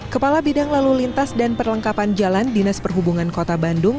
kepala bidang lalu lintas dan perlengkapan jalan dinas perhubungan kota bandung